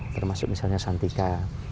termasuk misalnya santika